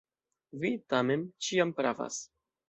Vi, tamen, ĉiam pravas.